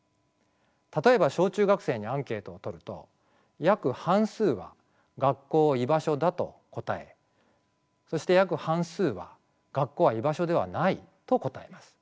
例えば小中学生にアンケートをとると約半数は学校を居場所だと答えそして約半数は学校は居場所ではないと答えます。